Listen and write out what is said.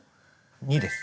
２です。